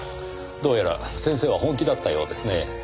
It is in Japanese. どうやら先生は本気だったようですねぇ。